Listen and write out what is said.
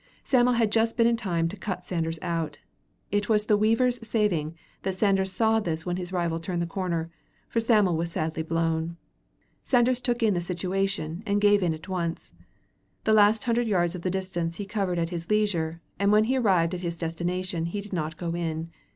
Sam'l had just been in time to cut Sanders out. It was the weaver's saving that Sanders saw this when his rival turned the corner; for Sam'l was sadly blown. Sanders took in the situation and gave in at once. The last hundred yards of the distance he covered at his leisure, and when he arrived at his destination he did not go in.